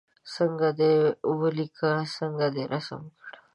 څنګه دې ولیکه څنګه دې رسم کړ.